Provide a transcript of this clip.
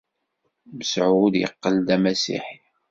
Mesεud yeqqel d amasiḥi.